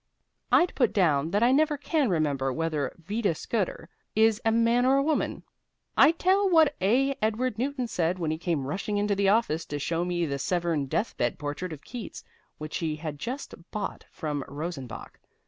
I'd put down that I never can remember whether Vida Scudder is a man or a woman. I'd tell what A. Edward Newton said when he came rushing into the office to show me the Severn death bed portrait of Keats, which he had just bought from Rosenbach.